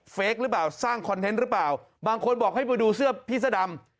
เค้กหรือเปล่าสร้างคอนเทนต์หรือเปล่าบางคนบอกให้มาดูเสื้อพี่เสื้อดำ